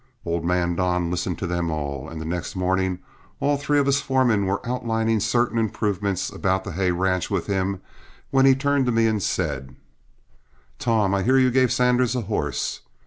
Old man Don listened to them all, and the next morning, as all three of us foremen were outlining certain improvements about the hay ranch with him, he turned to me and said: "Tom, I hear you gave Sanders a horse.